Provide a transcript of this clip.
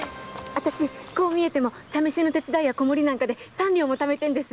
私こう見えても茶店の手伝いや子守りで三両も貯めてるんです。